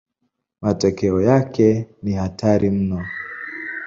Matokeo yake ni hatari mno.